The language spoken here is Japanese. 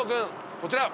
こちら！